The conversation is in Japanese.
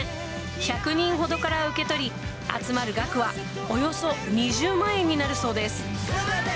１００人ほどから受け取り、集まる額はおよそ２０万円になるそうです。